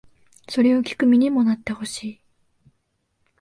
それを聴く身にもなってほしい